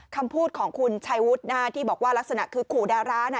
คำพูดของคุณชัยวุฒิที่บอกว่าลักษณะคือขู่ดาราน่ะ